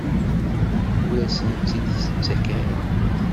Ur asent-t-id-tettak ara?